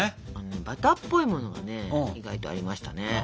バターっぽいものはね意外とありましたね。